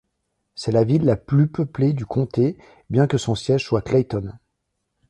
C’est la ville la plus peuplée du comté, bien que son siège soit Clayton.